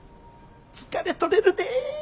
疲れ取れるで。